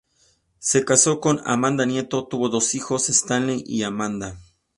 Se casó con Amanda Nieto, tuvo dos hijos, Stanley y Amanda.